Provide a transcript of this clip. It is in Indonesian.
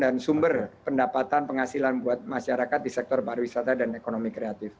dan sumber pendapatan penghasilan buat masyarakat di sektor pariwisata dan ekonomi kreatif